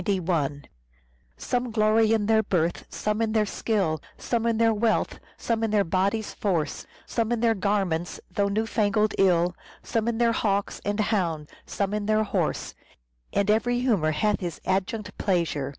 1 ' Some glory in their birth, some in their skill, Supple Some in their wealth, some in their body's force ; mentary Some in their garments, though new fangled ill ; details. Some in their hawks and hounds ; some in their horse ; And every humour hath his adjunct pleasure.